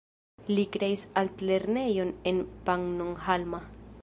Li kreis altlernejon en Pannonhalma.